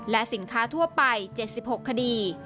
และสินค้าทั่วไป๗๖คดี